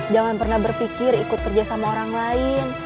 jangan pernah berpikir ikut kerja sama orang lain